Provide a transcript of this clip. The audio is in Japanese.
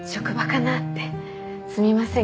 すみません。